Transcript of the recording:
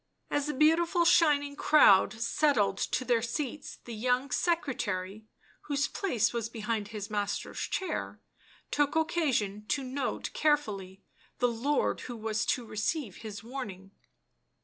As the beautiful shining crowd settled to their seats, the young secretary, whose place was behind his master's chair, took occasion to note carefully the lord who was to receive his warning.